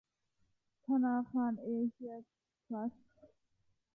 ธนาคารเอเชียทรัสต์